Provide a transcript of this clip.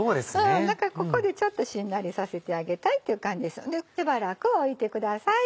だからここでちょっとしんなりさせてあげたいっていう感じですしばらくおいてください。